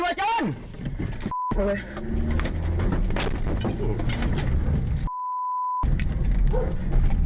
แม่ง